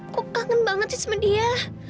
kok kangen banget sih sama dia